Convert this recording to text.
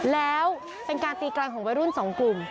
แล้วเป็นการตีไกลของวัยรุ่นสองกลุ่ม